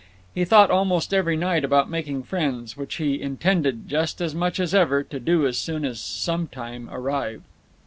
He thought almost every night about making friends, which he intended—just as much as ever—to do as soon as Sometime arrived.